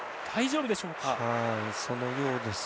大丈夫でしょうか。